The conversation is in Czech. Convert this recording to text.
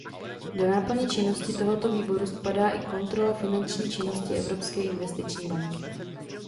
Do náplně činnosti tohoto výboru spadá i kontrola finanční činnosti Evropské investiční banky.